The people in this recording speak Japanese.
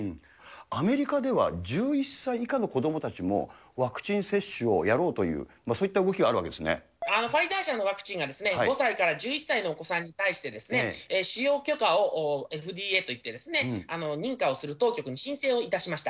アメリカでは、１１歳以下の子どもたちもワクチン接種をやろうという、そういっファイザー社のワクチンが５歳から１１歳のお子さんに対して、使用許可をＦＤＡといって認可をする当局に申請をいたしました。